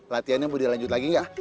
latiannya mau dilanjut lagi gak